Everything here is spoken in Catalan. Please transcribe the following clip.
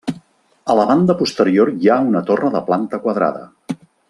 A la banda posterior hi ha una torre de planta quadrada.